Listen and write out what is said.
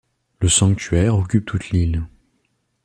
Le sanctuaire occupe toute l'île.